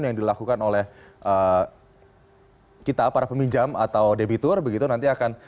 yang dilakukan oleh kita para peminjam atau debitur begitu nanti akan